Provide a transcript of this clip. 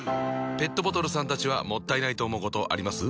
ペットボトルさんたちはもったいないと思うことあります？